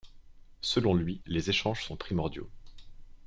Selon lui, les échanges sont primordiaux.